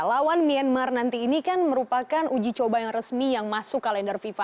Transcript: lawan myanmar nanti ini kan merupakan uji coba yang resmi yang masuk kalender fifa